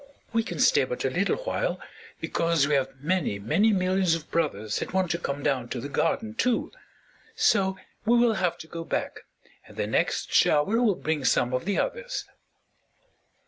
We can stay but a little while, because we have many, many millions of brothers that want to come down to the garden, too; so we will have to go back, and the next shower will bring some of the others."